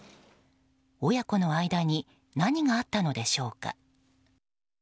親子の間に何があったのでしょうか。